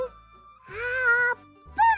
あーぷん！